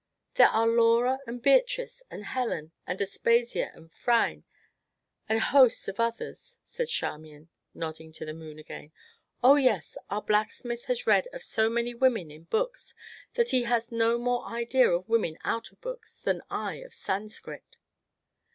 "There are Laura and Beatrice and Helen and Aspasia and Phryne, and hosts of others," said Charmian, nodding to the moon again. "Oh, yes our blacksmith has read of so many women in books that he has no more idea of women out of books than I of Sanscrit."